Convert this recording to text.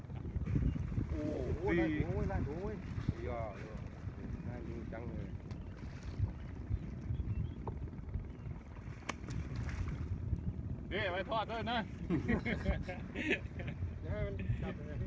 โรงการแฟนการแบบที่ก้าว